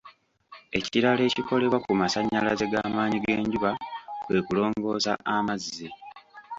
Ekirala ekikolebwa ku masannyalaze g'amaanyi g'enjuba kwe kulongoosa amazzi